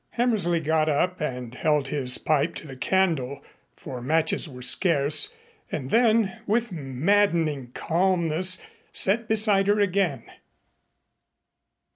Hammersley got up and held his pipe to the candle, for matches were scarce, and then, with maddening calmness, sat beside her again.